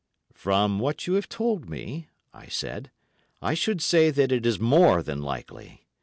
"From what you have told me," I said, "I should say that it is more than likely.